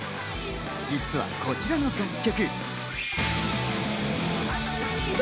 実はこちらの楽曲。